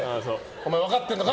お前分かってんのか？